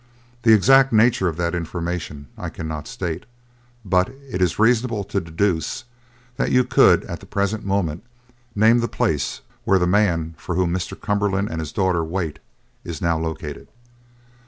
The exact nature of that information I cannot state, but it is reasonable to deduce that you could, at the present moment, name the place where the man for whom Mr. Cumberland and his daughter wait is now located."